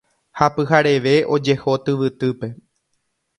ha pyhareve ojeho tyvytýpe